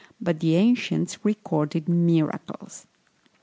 But the ancients recorded miracles!